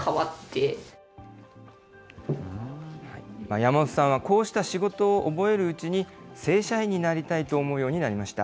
山本さんはこうした仕事を覚えるうちに、正社員になりたいと思うようになりました。